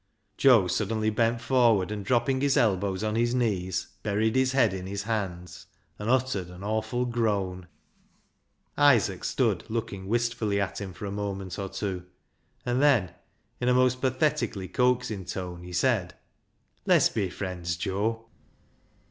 Joe suddenly bent forward, and dropping his 3i8 BECKSIDE LIGHTS elbows on his knees, buried his head in his hands and uttered an awful groan. Isaac stood looking wistfully at him for a moment or two, and then in a most pathetically coaxing tone he said —" Less be friends, Joe."